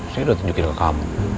saya sudah tunjukin ke kamu